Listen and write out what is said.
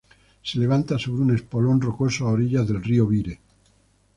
Se levanta sobre un espolón rocoso a orillas del río Vire.